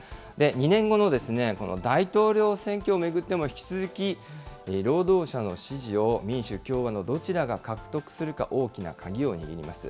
２年後のこの大統領選挙を巡っても、引き続き、労働者の支持を民主、共和のどちらが獲得するか、大きな鍵を握ります。